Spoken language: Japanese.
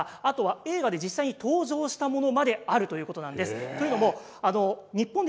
あとは映画で実際に登場したものまであるということなんです。